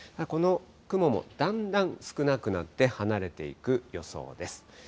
この雲もだんだん少なくなって、離れていく予想です。